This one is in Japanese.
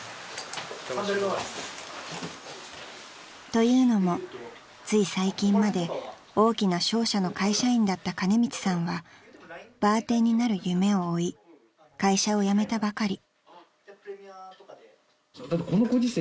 ［というのもつい最近まで大きな商社の会社員だったカネミツさんはバーテンになる夢を追い会社を辞めたばかり］